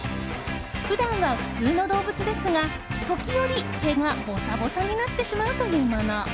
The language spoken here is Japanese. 普段は普通の動物ですが時折、毛がボサボサになってしまうというもの。